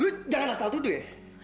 duit jangan asal tuduh ya